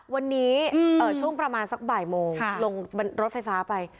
วันนี้ช่วงประมาณสักบ่ายโมงลงบนรถไฟฟ้าไป